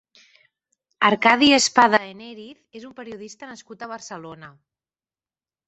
Arcadi Espada Enériz és un periodista nascut a Barcelona.